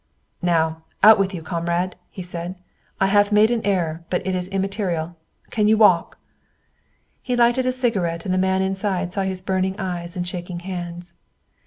"Now, out with you, comrade!" he said. "I have made an error, but it is immaterial. Can you walk?" He lighted a cigarette, and the man inside saw his burning eyes and shaking hands.